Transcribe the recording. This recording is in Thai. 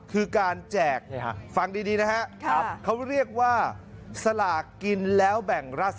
คือการแจกฟังดีนะฮะเขาเรียกว่าสลากกินแล้วแบ่งรัฐ